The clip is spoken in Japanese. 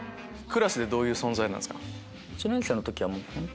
クラスでどういう存在なんですか？